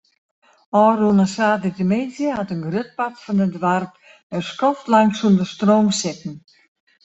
Ofrûne saterdeitemiddei hat in grut part fan it doarp in skoftlang sûnder stroom sitten.